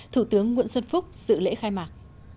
thủ tướng nguyễn xuân phúc dự lễ khai mạc